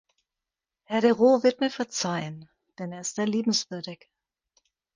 Herr de Roo wird mir verzeihen, denn er ist sehr liebenswürdig.